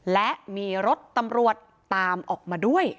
และมีรถตำรวจตามออกมาด้วย